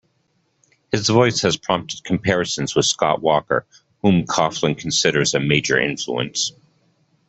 His voice has prompted comparisons with Scott Walker, whom Coughlan considers a major influence.